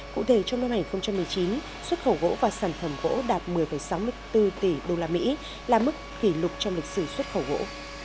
cụ thể trong năm hai nghìn một mươi chín xuất khẩu gỗ và sản phẩm gỗ đạt một mươi sáu mươi bốn tỷ usd là mức kỷ lục trong lịch sử xuất khẩu gỗ